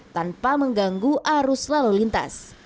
tanpa mengganggu arus lalu lintas